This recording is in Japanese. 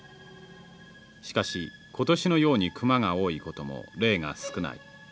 しかし今年のようにクマが多いことも例が少ない。